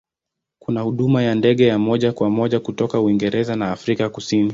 Kuna huduma za ndege ya moja kwa moja kutoka Uingereza na Afrika ya Kusini.